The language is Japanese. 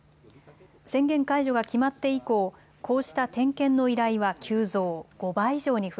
宣言解除が決まって以降、こうした点検の依頼は急増。